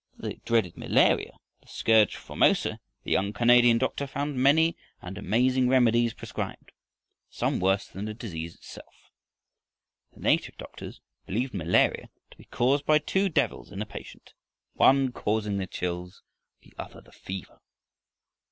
For the dreaded malaria, the scourge of Formosa, the young Canadian doctor found many and amazing remedies prescribed, some worse than the disease itself. The native doctors believed malaria to be caused by two devils in a patient, one causing the chills, the other the fever.